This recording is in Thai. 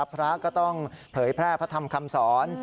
พระก็ต้องเผยแพร่พระธรรมคำสอน